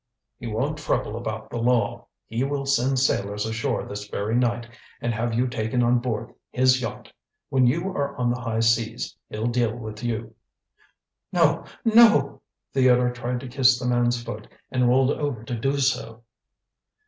"He won't trouble about the law. He will send sailors ashore this very night and have you taken on board his yacht. When you are on the high seas he'll deal with you." "No! no!" Theodore tried to kiss the man's foot and rolled over to do so.